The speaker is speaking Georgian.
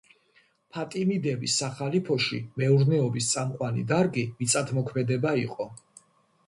ფატიმიდების სახალიფოში მეურნეობის წამყვანი დარგი მიწათმოქმედება იყო.